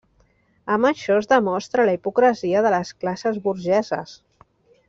Amb això es demostra la hipocresia de les classes burgeses.